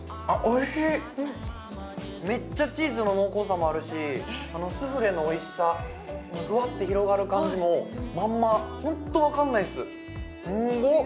おいしいめっちゃチーズの濃厚さもあるしスフレのおいしさフワって広がる感じもまんまホントわかんないっすすんごっ